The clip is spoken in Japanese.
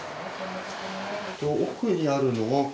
奥にあるのは。